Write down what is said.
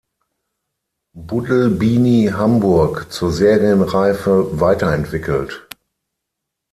Buddel-Bini Hamburg zur Serienreife weiterentwickelt.